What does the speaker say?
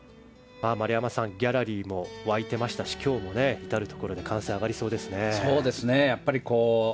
丸山さんギャラリーも沸いていましたし今日も至るところで歓声が上がりそうですね。